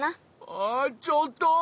あちょっと！